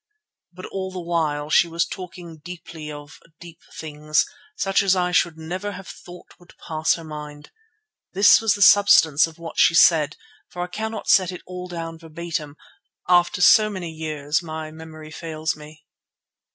But all the while she was talking deeply of deep things, such as I should never have thought would pass her mind. This was the substance of what she said, for I cannot set it all down verbatim; after so many years my memory fails me.